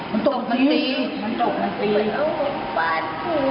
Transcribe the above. โยนทิ้งน้ำมันยังไม่ตาย